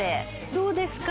どうですか？